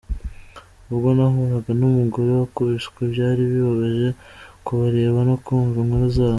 Ubwo nahuraga n’umugore wakubiswe, byari bibabaje kubareba no kumva inkuru zabo.